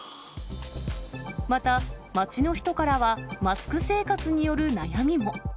また街の人からは、マスク生活による悩みも。